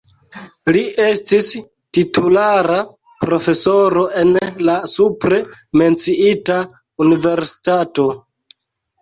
Li estis titulara profesoro en la supre menciita universitato.